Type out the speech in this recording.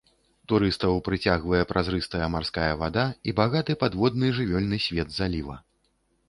Турыстаў прыцягвае празрыстая марская вада і багаты падводны жывёльны свет заліва.